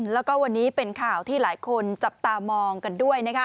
แล้วก็วันนี้เป็นข่าวที่หลายคนจับตามองกันด้วย